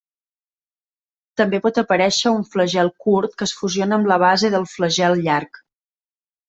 També pot aparèixer un flagel curt que es fusiona amb la base del flagel llarg.